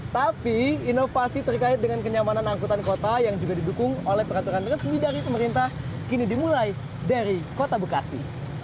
tapi inovasi terkait dengan kenyamanan angkutan kota yang juga didukung oleh peraturan resmi dari pemerintah kini dimulai dari kota bekasi